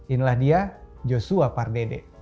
inilah dia joshua pardede